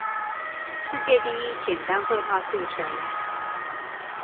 世界第一簡單會話速成